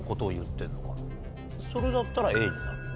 それだったらＡになるか。